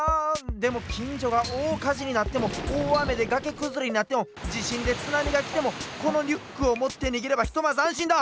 でもきんじょがおおかじになってもおおあめでがけくずれになってもじしんでつなみがきてもこのリュックをもってにげればひとまずあんしんだ！